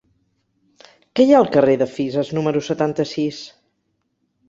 Què hi ha al carrer de Fisas número setanta-sis?